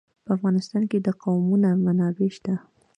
په افغانستان کې د قومونه منابع شته.